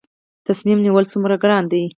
تصمیم نیول څومره ګران دي؟